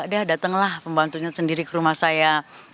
dia datanglah pembantunya sendiri ke rumah saya